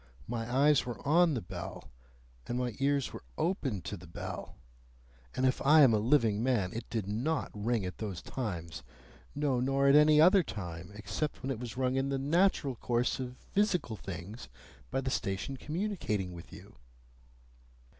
My eyes were on the bell, and my ears were open to the bell, and if I am a living man, it did NOT ring at those times. No, nor at any other time, except when it was rung in the natural course of physical things by the station communicating with you."